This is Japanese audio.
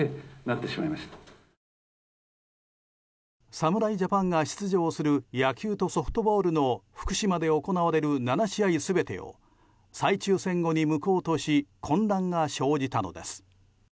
侍ジャパンが出場する野球とソフトボールの福島で行われる７試合全てを再抽選後に無効とし混乱が生じたのです。